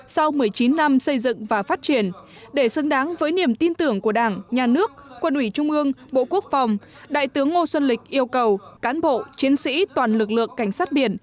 sau một mươi chín năm xây dựng và phát triển để xứng đáng với niềm tin tưởng của đảng nhà nước quân ủy trung ương bộ quốc phòng đại tướng ngô xuân lịch yêu cầu cán bộ chiến sĩ toàn lực lượng cảnh sát biển